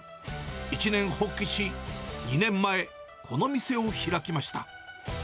一念発起し、２年前、この店を開きました。